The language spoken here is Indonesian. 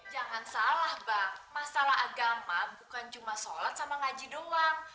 jangan salah bang masalah agama bukan cuma sholat sama ngaji doang